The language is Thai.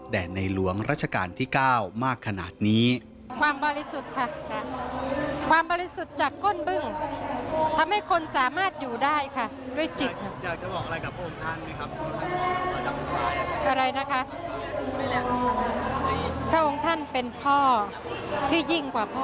ในหลวงรัชกาลที่๙มากขนาดนี้